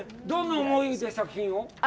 どんな思いで作品を？